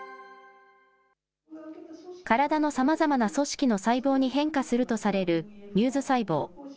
体のさまざまな組織の細胞に変化するとされるＭｕｓｅ細胞。